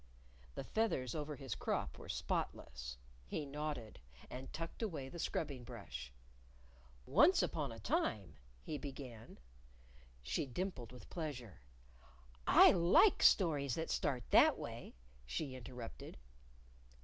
The feathers over his crop were spotless. He nodded and tucked away the scrubbing brush. "Once upon a time," he began She dimpled with pleasure. "I like stories that start that way!" she interrupted.